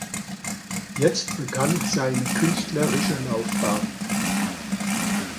Jetzt begann seine künstlerische Laufbahn.